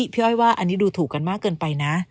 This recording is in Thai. พี่อ้อยว่าอันนี้ดูถูกกันมากเกินไปนะ